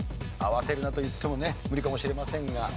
慌てるなと言ってもね無理かもしれませんが。